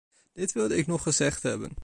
Dit wilde ik nog gezegd hebben.